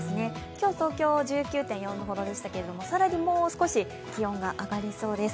今日東京１９度でしたけど更にもう少し気温が上がりそうです。